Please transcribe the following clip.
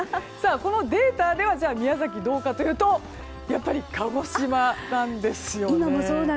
このデータでは宮崎どうかというとやっぱり、鹿児島なんですよね。